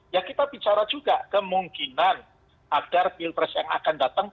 ya kita bicara juga kemungkinan agar pilpres yang akan datang